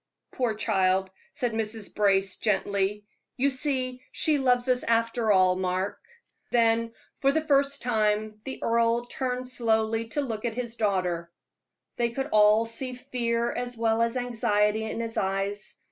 "Poor child," said Mrs. Brace, gently. "You see she loves us after all, Mark." Then, for the first time, the earl turned slowly to look at his daughter. They could all see fear as well as anxiety in his eyes.